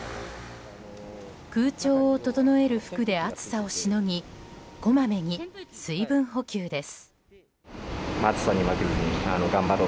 空調を整える服で暑さをしのぎこまめに水分補給です。